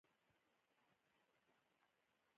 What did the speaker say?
که ګورم ځان سره لګیا یم.